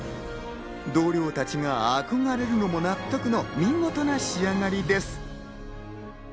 同僚たちが憧れるのも納得の見事な仕上がりです。